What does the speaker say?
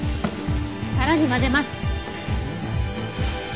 さらに混ぜます。